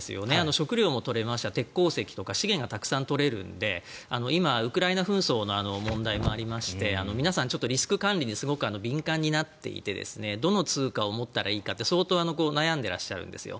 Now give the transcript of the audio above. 食料も取れますし鉄鋼とか資源がたくさん取れるので今、ウクライナ紛争の問題もありまして皆さんリスク管理にすごく敏感になっていてどの通貨を持ったらいいかって相当、悩んでいらっしゃるんですよ。